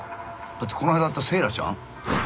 だってこの間会ったセイラちゃん。